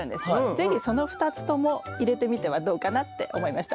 是非その２つとも入れてみてはどうかなって思いました。